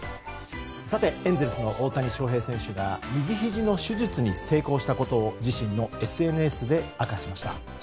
エンゼルスの大谷翔平選手が右ひじの手術に成功したことを自身のＳＮＳで明かしました。